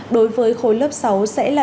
đối với khối lớp sáu sẽ là